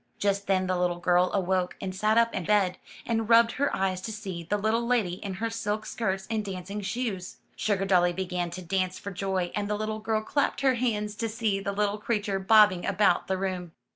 Just then the little girl awoke, and sat up in bed, and rubbed her eyes to see the little lady in her silk skirts and dancing shoes. Sugardolly began to dance 1 06 UP ONE PAIR OF STAIRS for joy, and the little girl clapped her hands to see the little creature bobbing about the room.